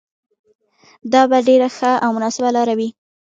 دا به ډېره ښه او مناسبه لاره وي.